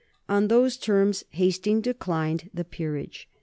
On those terms Hastings declined the peerage.